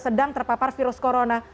sedang terpapar virus corona